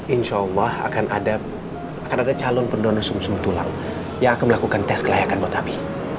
insya allah akan ada calon pendonor sum sum tulang yang akan melakukan tes kelayakan buat api